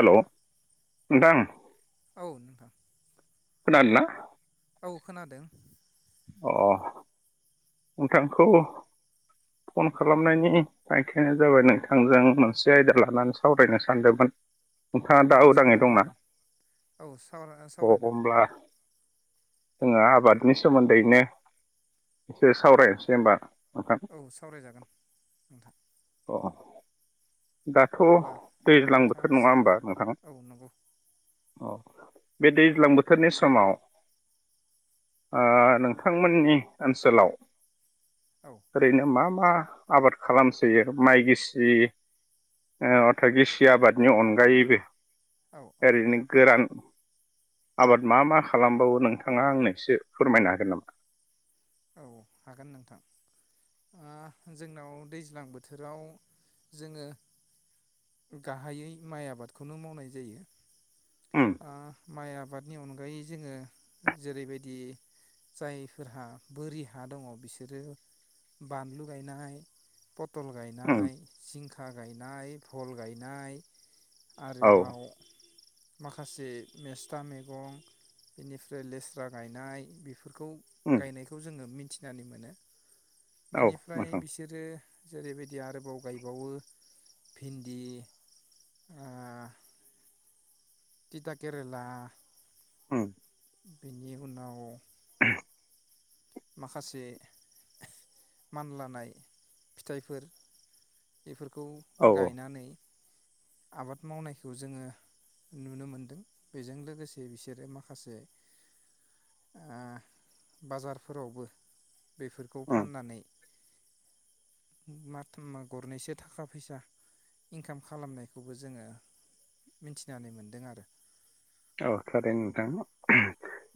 Hello नोंथां। औ नोंथां। खोनादो ना। औ खोनादों। अ नोंथांखौ फन खालामनायनि थांखियानो जाबाय नोंथांजों मोनसे आयदा लानानै सावरायनो सानदोंमोन। नोंथाङा दा औ उदाङै सावरायनो दंना हागोन औ अ सावरायनो हागोन होमब्ला नोंथां। जोङो आबादनि सोमोन्दैनो एसोर सावरायनोसै होमबा। नोंथां औ सावरायजागोन। अ। दाथ' अब्ला दैज्लां बोथोर नोंथाङा नङा होमबा नोंथाङा औ नंगौ औ बे दैज्लां बोथोरनि समाव ओ नोंथांमोननि ओनसोलाव औ ओरैनो मा मा आबाद खालाम यो माइ गिसि ओ अर्था गिसि आबादनि अनगायैबो। औ औ ओरैनो गोरान आबाद मा मा खालामबावो नोंथाङा आंनोसो फोरमायनो हागोन नामा औ हागोन नोंथां ओ जोंनाव दैज्लां बोथोराव जोङो गाहायै माइ आबादखौनो मावनाय जायो उम ओ माइ आबाद आबादनि अनगायै जोङो जेरैबायदि जायफोरहा बोरि हा दङ बिसोरो बानलु गायनाय फ फटल उम गायनाय जिंखा गायनाय भल गायनाय औ आरोबाव माखासे मेस्था मैगं बेनिफ्राय लेस्रा गायनाय बेफोर बेफोरखौ उम गायनायखौ जोङो मिथिनानै मोनो औ बिनिफ्राय नोंथां बिसोरो जेरैबायदि आरो गोबाव गायबावो भिन्दि ओ थिथा केरेला उम बेनि उनाव माखासे मानलानाय फिथाइफोर बेफोरखौ औ औ गायनानै आबाद मावनायखौ जोङो नुनो मोनदों बेजों लोगोसे बिसोरो माखासे ओ बाजार फोरावबो बेफोरखौ उम फाननानै मा गरनैसो थाखा फैसा इनकाम खालामनायखौबो जोङो मिथिनानै मोनदों आरो औ थारैनो नोंथां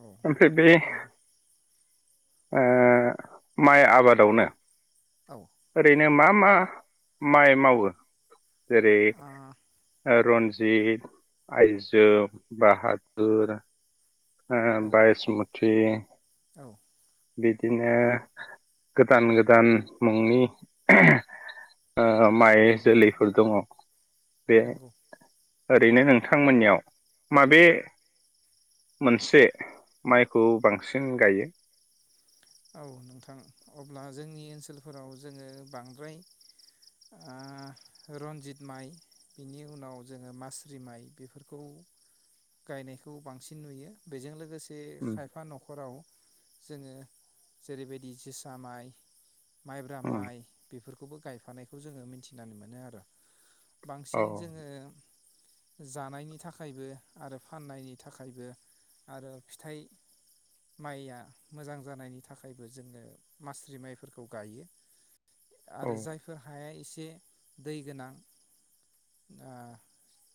औ ओमफ्राय बे नंगौ ओ माइ आबादावनो औ ओरैनो मा मा माइ मावो जेरै आ ओ रज जिथ आइजो बाहादुर ओ औ बायसमु थि औ बिदिनो गोदान गोदान मुंनि ओ माइ जोलैफोर दङ बे नंगौ ओरैनो नोंथांमोननियाव माबे मोनसे माइखौ बांसिन गायो? औ नोंथां अब्ला जोंनि ओनसोलफोराव जोंङो बांद्राय ओ रन्जित माइ बिनि उनाव जोऔङो मास्रि माइ बेफोरखौ [inaudible] गायनायखौ बांसिन नुयो बेजों लोगोसे बे उम खायफा न'खराव जोङो जेरैबायदि जोसा माइ माइब्रा उम माइ बेफोरखौबो गायफानायखौ जोंङो मिथिनानै मोनो आरो। औ बांसिन जोंङो जानायनि थाखायबो आरो फाननायनि थाखायबो आरो फिथाइ माइया मोजां जानायनि था थाखायबो जोंङो मास्रि माइफोरखौ गायो औ आरो जायफोर हाया एसे से दै गोनां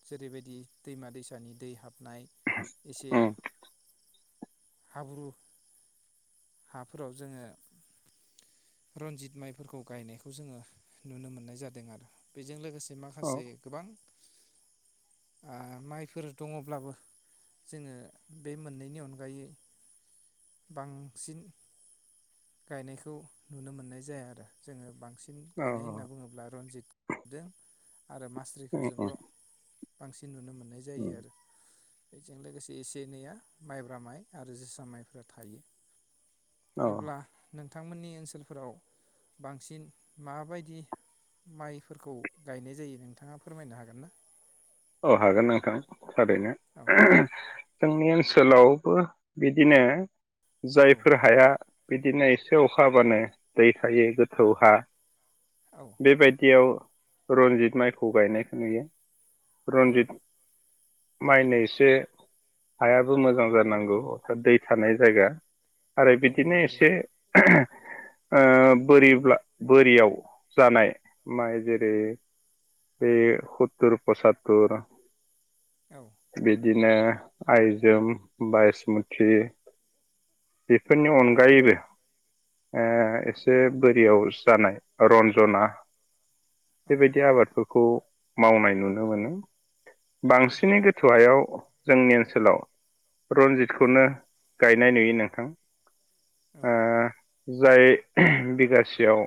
जेरैबायदि ओ दैमा दैसानि दै हाबनाय एसे उम हाब्रु हाफोराव जोंङो रनजित माइफोरखौ गायनायखौ जोंङो नुनो मोननाय जादों आरो बेजों लोगोसे औ माखासे गोबां माइफोर दङब्लाबो जोंङो बे मोननैनि अनगायै बांसिन गायनायखौ नुनो मोननाय जाया आरो जोंङो बांसिन बांसिन गायनाय होनना बुङोब्ला रन्जित गदों आरो मास्रिखौ उम उम जोंल' बांसिन नुनो मोननाय जायो उम आरो बेजों लोगोसे एसे एनैया माइब्रा माइ आरो जोसारा माइफोरा थायो। औ अब्ला नोंथांमोननि ओनसोलफोराव बांसिन माबायदि माइफोरखौ गायनाय जायो नोंथाङा फोरमायनो हागोन ना? औ हागोन नोंथां थारैनो औ जोंनि ओनसोलावबो बिदिनो जायफोर औ हाया बिदिनो एसे अखाबानो दै थायो गोथौ हा औ बेबायदियाव रन्जित माइखौ गायनायखौ नुयो औ रन्जित माइनो एसे हायाबो मोजां जानांगौ अर्थत दै थानाय जायगा आरो औ बिदिनो नंगौ एसे बोरि बोरियाव जानाय माइ जेरै बे सततर पसततर औ बिदिनो आइजोम बायसमुथि बेफोरनि औ अनगायैबो एसे बोरियाव जानाय रन्जना औ बेबायदि आबादफोरखौ मावनाय नुनो मोनो बांसिनै गोथौहायाव जोंनि ओनसोलाव औ रन्जितखौनो गायनाय नुयो जाय बिगासेयाव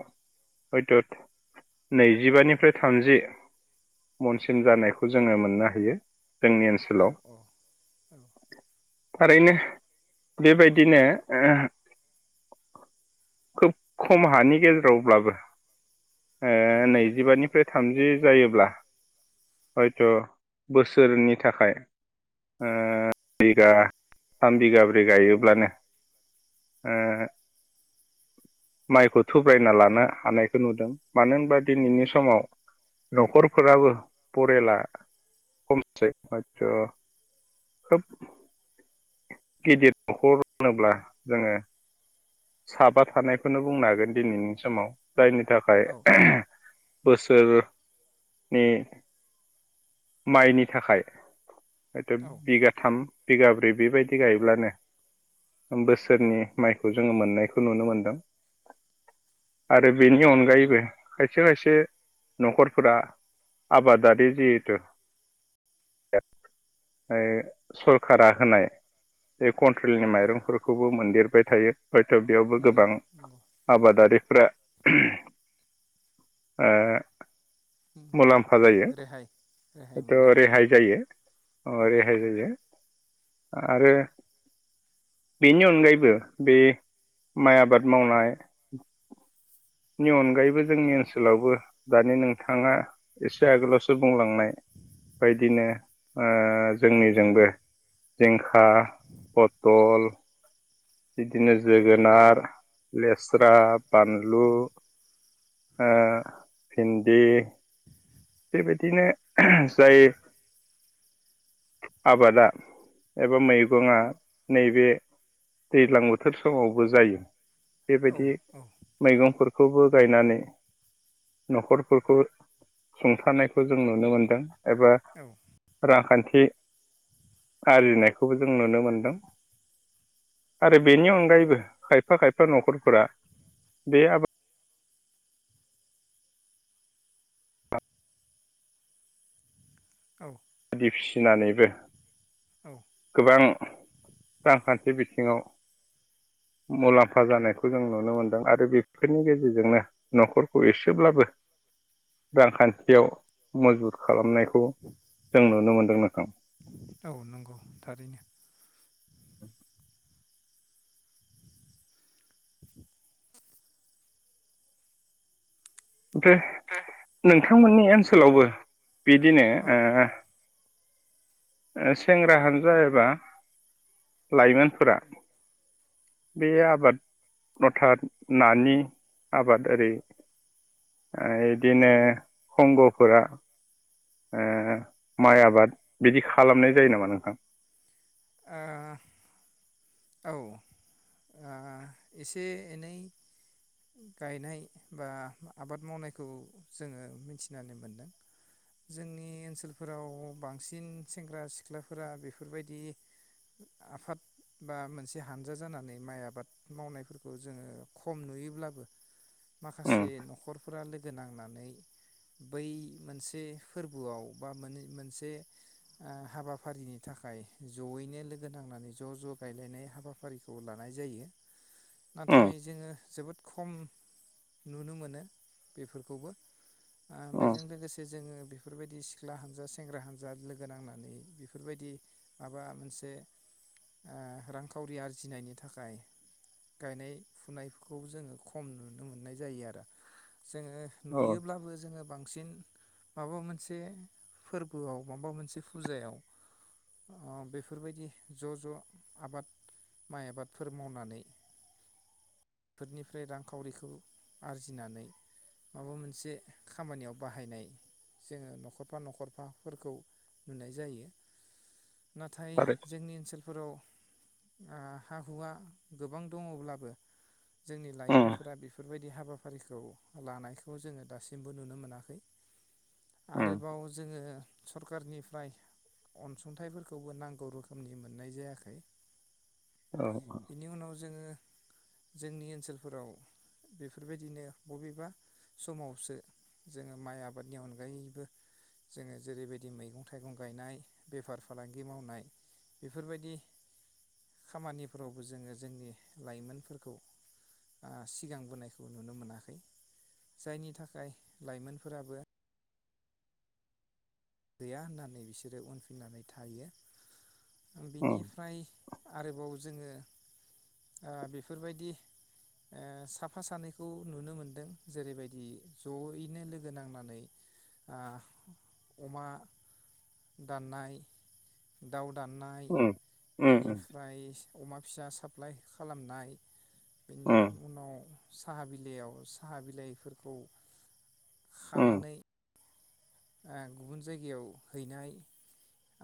हयथ' नैजिबानिफ्राय थामजि मनसिन जानायखौ जोङो मोननो हायो जोंनि ओनसोलाव औ औ औ थारैनो बेबायदिनो खोब खम हानि गेजेरावब्लाबो नैजिबानि थामजि जायोब्ला [inaudible] हयथ' बोसोरनि थाखाय बिगा थाम बिगाब्रै गायोब्लानो ए माइखौ थुब्रायना लानो हानायखौ नुदों मानो होनबा दिनैनि समाव न'खरफोराबो फरेला खमसै आत खोब गिदिर न'खर होनोब्ला जोङो साबा थानायखौनो बुंनो हागोन दिनैनि समाव जायनि थाखाय बोस बोसोरनि माइनि थाखाय औ बिगाथाम बिगाब्रै बेबायदि गायोब्लानो बोसोरनि माइखौ जोङो मोननायखौ नुनो मोनदों आरो बेनि अनगायैबो खायसे खायसे न'खरफोरा आबादारि जिहथु [inaudible] सरखारा होनाय कन्ट्रिलनि औ माइरंफोरखौबो मोनदेरबाय थायो हयथ' बेयावबो नंगौ गोबां नंगौ आबादारिफ्रा ओ रेहाय मुलाम्फा जायो रेहाय हयथ' मोननो हादों रेहाय औ जायो। औ अ रेहाय नंगौ जायो आरो बेनि अनगायैबो बे माइ आबाद मावनाय नि अनगायैबो जोंनि ओनसोलावबो दानि नोंथाङा एसे आगोलावसो बुंलांनाय बेदिनो ओ जोंनिजोंबो जिंखा फथल बिदिनो जोगोनार औ लेस्रा बानलु औ ओ भिन्दि बेबायदिनो जाय आबादा एबा मैगंआ नैबे दैज्लां बोथोर समावबो जायो औ बेबायदि मैगंफोरखौ बेखौबो गायनानै न'खरफोरखौ सुंथानायखौ जों नुनो मोनदों एबा रांखान्थि बे आरजिनायखौबो जों नुनो मोनदों आरो बेनि अनगायैबो खायफा खायफा न'खरफोरा बे आबाद औ बायदि फिसिनानैबो औ गोबां रांखान्थि बिथिङाव मुलाम्फा जानायखौ जों नुनो मोनदों आरो बेफोरनि गेजेरजोंनो न'खरखौ एसेब्लाबो रांखान्थियाव मजबुत खालामनायखौ जों नुनो मोनदों [unintelligible] औ नंगौ थारैनो। दे नोंथांमोननि ओनसोलावबो बिदिनो औ ओ ओ सेंग्रा हानजा एबा लाइमोनफोरा बे आबाद मथा नानि आबाद ओरै ओ इदिनो हंग'फोरा ओ माइ आबाद बिदि खालामनाय जायो नामा नोंथां? ओ औ एसे एनै गायनाय बा आबाद मावनायखौ जोङो मिथिनानै मोनदों। जोंनि ओनसोलफोराव बांसिन सेंग्रा सिख्लाफोरा बेफोरबायदि आफाद बा मोनसे हानजा जानानै माइ आबाद मावनायफोरखौ जोङो खम नुयोब्लाबो उम माखासे न'खरफोरा लोगो नांनानै बै मोनसे फोरबोआव बा मोने मोनसे ओ हाबाफारिनि थाखाय जयैनो लोगो नांनानै ज' ज' गायलायनाय हाबाफारिखौ लाना जायो नाथाय उम जोङो जोबोद खम नुनो मोनो बेफोरखौबो ओ उम बेजों लोगोसे जोङो बेफोरबायदि सिख्ला हानजा सेंग्रा हानजा लोगो नांनानै बेफोरबायद दि माबा मोनसे ओ रांखावरि आरजिनायनि थाखाय गायनाय फुनायखौ जोङो खम नुनो मोननाय जायो आरो जोङो औ नुयोब्लाबो जोङो बां बांसिन माबा मोनसे फोरबोआव माबा मोनसे फुजायाव ओ बेफोरबायदि ज' ज' आबाद माइ आबादफोर मावनानै फोरनिफ्राय रांखावरिखौ आरजिनानै माबा मोनसे खामानियाव बाहायनाय जोङो न'खरफा न'खरफाफोरखौ नुनाय जायो। [inaudible] नाथाय थारै जोंनि ओनसोलफोराव ओ हा हुवा गोबां दङब्लाबो जोंनि उम लाइमोनफोरा बेफोरबायदि हाबाफारिखौ लानायखौ जोङो दासिमबो नुनो मोनाखै। [inaudible] आरोबाव जोङो सरकारनिफ्राय अनसुंथाइफोरखौबो नांगौ रोखोमनि मोननाय जायाखै। औ औ बिनि उनाव जोङो जोंनि ओनसोलफोराव बेफोरबायदिनो बबेबा समावसो जोङो माइ आबादनि अनगायैबो जोङो जेरैबायदि मैगं-थाइगं गायनाय बेफार फालांगि मावनाय बेफोरबायदि खामानिफोरावबो जोङो जोंनि लाइमोनफोरखौ ओ सिगांबोनायखौ नुनो मोनाखै। जायनि थाखाय लाइमोनफोराबो गैया होननानै बिसोरो उनफिननानै थायो। उम बिनिफ्राय आरोबाव जोङो ओ बेफोरबायदि ओ साफा सानैखौ नुनो मोनदों जेरैबायदि जयैनो लोगो नांनानै ओ अमा दाननाय, दाउ दाननाय उम उम उम बेनिफ्राय अमा फिसा साप्लाइ खालामनाय बेनि उम उनाव साहा बिलाइयाव साहा बिलाइफोरखौ उम खानानै ओ गुबुन जायगायाव हैनाय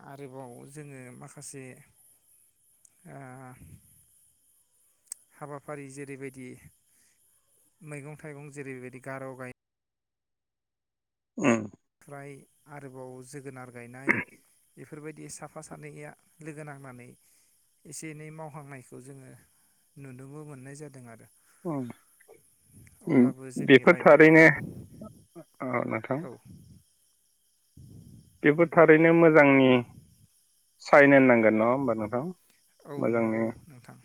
आरोबाव जोङो माखासे ओ हाबाफारि जेरैबायदि मैगं-थाइगं जेरैबायदि गार' गाय ओम। ओमफ्राय आरोबाव जोगोनार गायनाय बेफोरबायदि साफा सानैया लोगो नांनानै एसे एनै मावहांनायखौ जोङो नुनोबो मोननाय जादों आरो। ओम। अब्लाबो जोंनि बेफोर थारैनो लाइमोनफोरा औ नोंथां बेबो नंगौ थारैनो मोजांनि साइन होननां गोन नङा होमबा नोंथां औ मोजांनि नंगौ नोंथां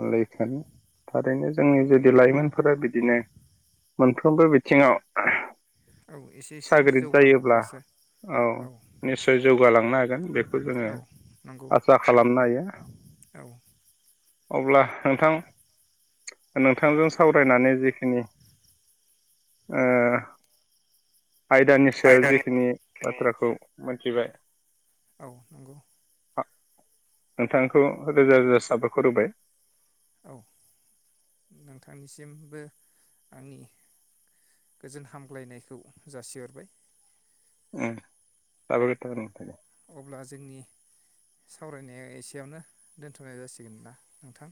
अरायथानि थारैनो जोंनि जुदि लाइमोनफोरा बिदिनो मोनफ्रोमबो बिथिङाव औ एसे एसे साग्रिद जायोब्ला जौगालांब्लासो औ निस्सय जौगालांनो हागोन बेखौ जोङो औ नंगौ आसा खालामनो हायो। औ। अब्ला नोंथां नोंथांजों सावरायनानै जिखिनि ओ आयदानि सायाव आयदानि जिखिनि बाथ्राखौ मिथिबाय औ नंगौ। अ नोंथांखौ रोजा रोजा साबायखर होबाय औ नोंथांनिसिमबो आंनि गोजोन हामग्लायनायखौ जासिहरबाय। ओम साबायखर नोंथांखौ। अब्ला जोंनि सावरायनाया एसेयावनो दोनथ'नाय जासिगोन ना नोंथां?